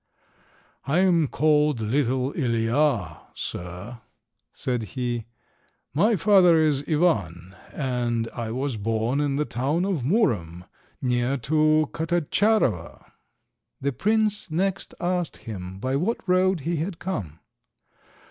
"I am called Little Ilija, sir," said he; "my father is Ivan, and I was born in the town of Murom, near to Katatscharowa." The prince next asked him by what road he had come.